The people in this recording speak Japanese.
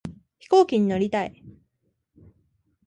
飛行機に乗りたい